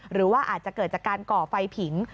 หรือว่าอาจจะเกิดจากการก่อไฟผิง